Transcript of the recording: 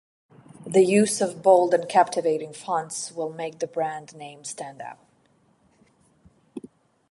The use of bold and captivating fonts will make the brand name stand out.